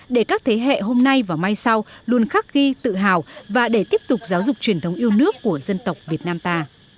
để các thế hệ hôm nay và mai sau luôn khắc ghi tự hào và để tiếp tục giáo dục truyền thống yêu nước của dân tộc việt nam ta